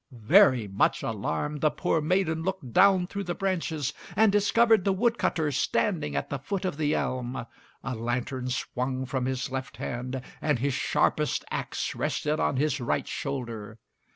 Very much alarmed, the poor maiden looked down through the branches, and discovered the wood cutter standing at the foot of the elm. A lantern swung from his left hand, and his sharpest axe rested on his right shoulder.